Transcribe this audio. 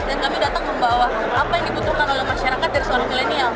dan kami datang membawa apa yang dibutuhkan oleh masyarakat dari seorang milenial